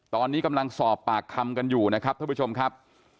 ตอนนี้กำลังสอบปากคำกันอยู่ทุกผู้ชมครับ